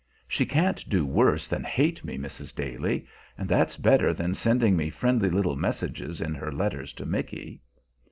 "She can't do worse than hate me, Mrs. Daly; and that's better than sending me friendly little messages in her letters to Micky."